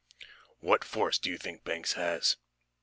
"What force do you think Banks has?"